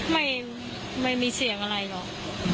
ไม่ไม่ไม่มีเสียงอะไรหรอก